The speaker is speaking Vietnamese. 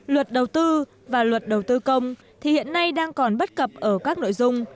luật đầu tư và luật đầu tư công thì hiện nay đang còn bất cập ở các nội dung